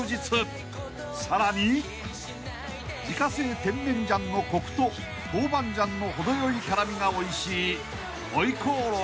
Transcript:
［さらに自家製テンメンジャンのコクとトウバンジャンの程よい辛味がおいしい］